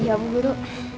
iya bu guru